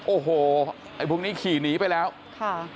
โอ้โหไอ้พวกนี้ขี่หนีไปแล้วค่ะ